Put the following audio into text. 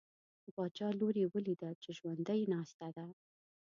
د باچا لور یې ولیده چې ژوندی ناسته ده.